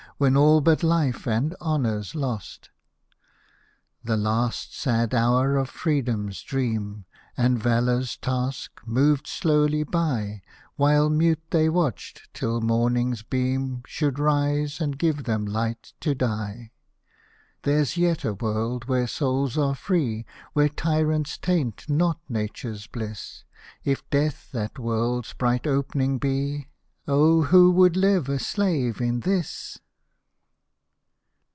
When all but life and honour's lost ? Hosted by Google THE ORIGIN OF THE HARP 19 The last sad hour of freedom's dream, And valour's task, moved slowly by, While mute they watched, till morning's beam / Should rise and give them light to die. There's yet a world, where souls are free. Where tyrants taint not nature's bliss ;— If death that world's bright opening be, Oh ! who would live a slave in this